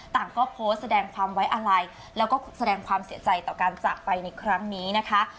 ต่างก็โพสต์แสดงความไว้อาลัยแล้วก็แสดงความเสียใจต่อการจากไปในครั้งนี้นะคะ